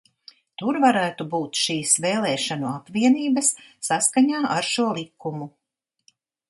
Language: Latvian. Tur varētu būt šīs vēlēšanu apvienības saskaņā ar šo likumu.